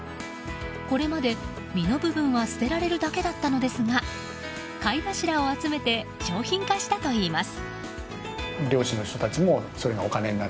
これまで、身の部分は捨てられるだけだったのですが貝柱を集めて商品化したといいます。